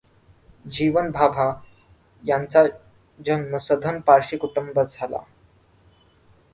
जीवन भाभा यांचा जन्म सधन पारशी कुटुंबात झाला.